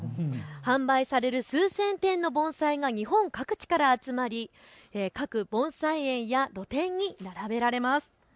販売される数千点の盆栽が日本各地から集まり各盆栽園や露店に並べられます。